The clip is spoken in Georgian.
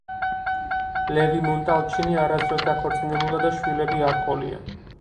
ლევი-მონტალჩინი არასდროს დაქორწინებულა და შვილები არ ჰყოლია.